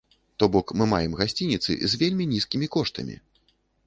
То бок мы маем гасцініцы з вельмі нізкімі коштамі!